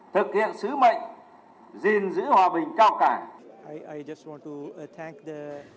thực hiện sứ mệnh gìn giữ hòa bình cao cả